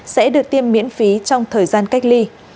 sẽ được tiêm miễn phí trong thời gian cách ly